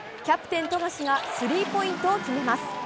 キャプテン富樫がスリーポイントを決めます。